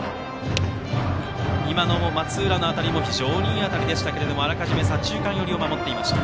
松浦の当たりも非常にいい当たりでしたがあらかじめ左中間寄りを守っていました。